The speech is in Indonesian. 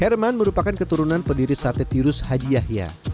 herman merupakan keturunan pendiri sate tirus haji yahya